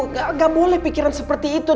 nggak boleh pikiran seperti itu